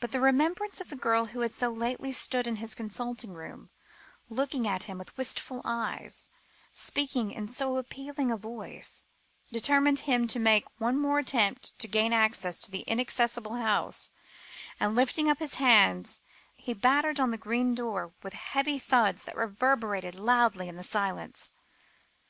But the remembrance of the girl who had so lately stood in his consulting room, looking at him with wistful eyes, speaking in so appealing a voice, determined him to make one more attempt to gain access to the inaccessible house, and, lifting up his hands, he battered on the green door with heavy thuds that reverberated loudly in the silence.